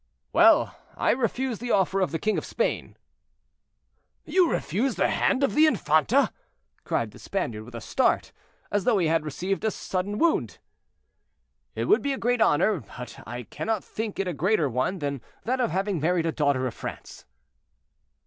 "Well! I refuse the offer of the king of Spain." "You refuse the hand of the infanta!" cried the Spaniard, with a start, as though he had received a sudden wound. "It would be a great honor, but I cannot think it a greater one than that of having married a daughter of France."